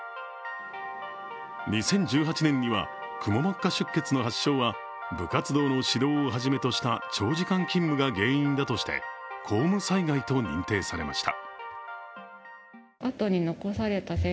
２０１８年にはくも膜下出血の発症は部活動の指導をはじめとした長時間勤務が原因だとして公務災害と認定されました。